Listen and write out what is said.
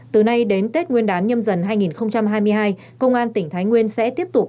từ nay đến tết nguyên đán nhâm dần hai nghìn hai mươi hai công an tỉnh thái nguyên sẽ tiếp tục